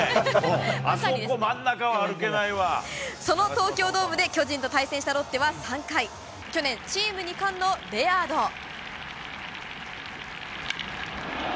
その東京ドームで巨人と対戦したロッテは３回去年、チーム２冠のレアード。